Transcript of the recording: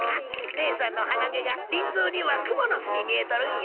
ねえさんの鼻毛がリンゾーにはくもの巣に見えとるんよ。